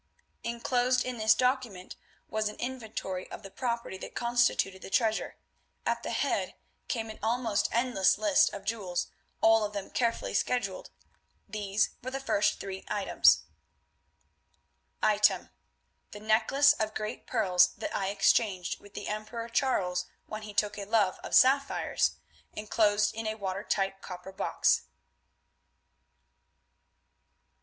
Enclosed in this document was an inventory of the property that constituted the treasure. At the head came an almost endless list of jewels, all of them carefully scheduled. These were the first three items: "Item: The necklace of great pearls that I exchanged with the Emperor Charles when he took a love for sapphires, enclosed in a watertight copper box.